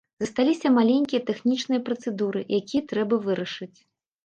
Засталіся маленькія тэхнічныя працэдуры, якія трэба вырашыць.